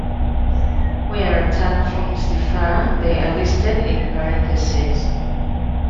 Where Ratak forms differ, they are listed in parentheses.